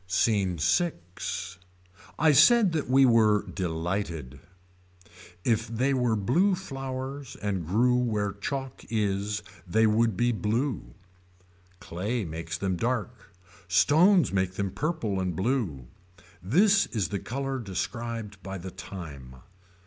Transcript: SCENE IV. I said that we were delighted. If they were blue flowers and grew where chalk is they would be blue. Clay makes them dark. Stones make them purple and blue. This is the color described by the time.